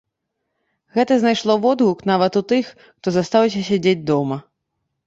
Гэта знайшло водгук нават у тых, хто застаўся сядзець дома.